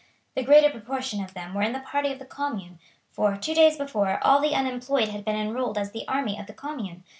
The greater proportion of them were in the pay of the Commune, for, two days before, all the unemployed had been enrolled as the army of the Commune.